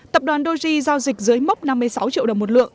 tập đoàn doji giao dịch dưới mốc năm mươi sáu triệu đồng một lượng